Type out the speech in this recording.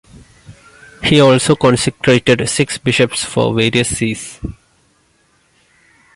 He also consecrated six bishops for various Sees.